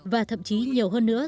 và thậm chí nhiều hơn nữa